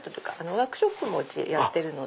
ワークショップもやってるので。